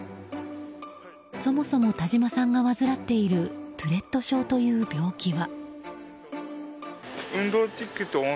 そもそも田島さんが患っているトゥレット症という病気は。